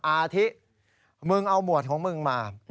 อาทิมึงเอาหมวดของมึงมา